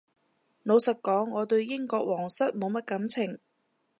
老實講我對英國皇室冇乜感情